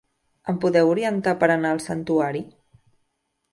Em podeu orientar per a anar al santuari?